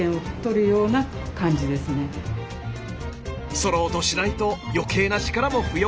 そろうとしないと余計な力も不要。